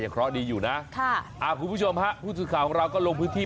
คุณผู้ชมครับผู้สุดข่าวของเราก็ลงพื้นที่